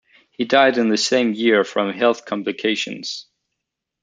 He died in the same year from health complications.